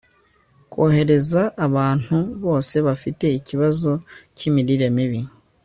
kohereza abantu bose bafite ikibazo cy'imirire mibi